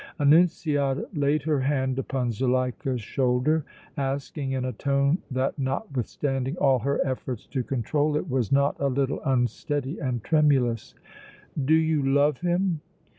Annunziata laid her hand upon Zuleika's shoulder, asking, in a tone that notwithstanding all her efforts to control it was not a little unsteady and tremulous: "Do you love him?